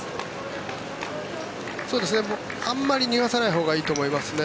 あまり逃がさないほうがいいと思いますね。